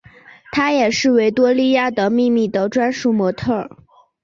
她也是维多利亚的秘密的专属模特儿。